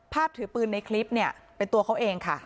ภาพถือปืนในคลิปเป็นตัวเขาเองค่ะ